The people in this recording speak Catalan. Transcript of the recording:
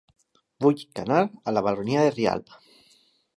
Vull anar a La Baronia de Rialb